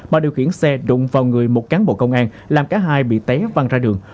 bà điều khiển xe đụng vào người một cán bộ công an làm cả hai bị té văn ra đường